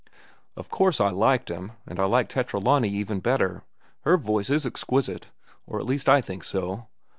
"Of course I liked him, and I liked Tetralani even better. Her voice is exquisite—or at least I think so."